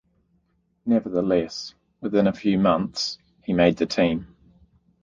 Nevertheless, within a few months he made the team.